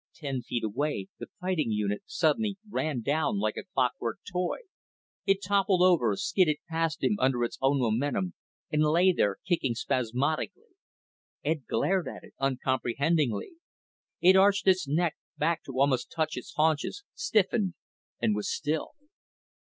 Ten feet away, the fighting unit suddenly ran down like a clockwork toy. It toppled over, skidded past him under its own momentum, and lay there kicking spasmodically. Ed glared at it uncomprehendingly. It arched its neck back to almost touch its haunches, stiffened, and was still.